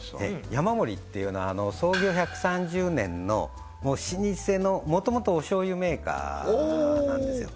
ヤマモリっていうのは創業１３０年の老舗のもともとお醤油メーカーなんですよ